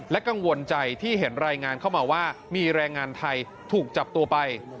กังวลใจที่เห็นรายงานเข้ามาว่ามีแรงงานไทยถูกจับตัวไป